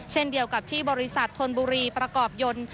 เช่นเดียวกับที่บริษัทธนบุรีประกอบยนต์